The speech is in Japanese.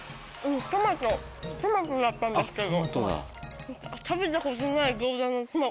トマトトマトだったんですけど。